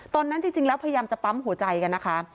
ตอนนั้นจริงแล้วพยายามจะปั๊มหัวใจกันนะคะ